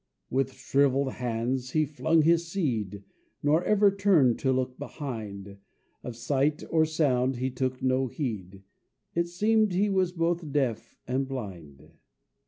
With shrivelled hands he flung his seed, Nor ever turned to look behind; Of sight or sound he took no heed; It seemed he was both deaf and blind.